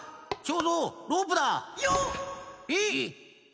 えっ⁉